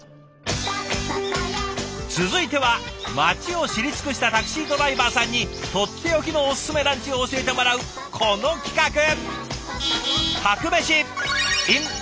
続いては街を知り尽くしたタクシードライバーさんにとっておきのおすすめランチを教えてもらうこの企画。